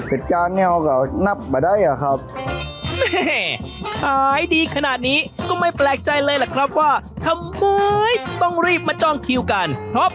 เสร็จจานนี่เขาก็นับมาได้ครับ